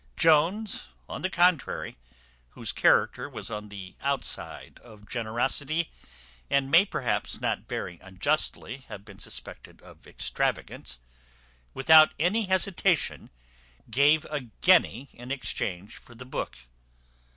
Jones, on the contrary, whose character was on the outside of generosity, and may perhaps not very unjustly have been suspected of extravagance, without any hesitation gave a guinea in exchange for the book.